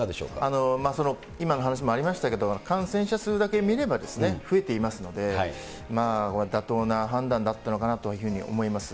今の話もありましたけど、感染者数だけ見れば増えていますので、妥当な判断だったのかなというふうに思います。